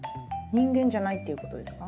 人間じゃないっていうことですか？